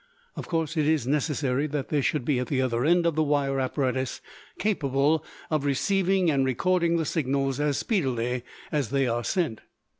Of course it is necessary that there should be at the other end of the wire apparatus capable of receiving and recording the signals as speedily as they are sent.